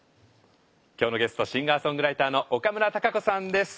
今日のゲストシンガーソングライターの岡村孝子さんです。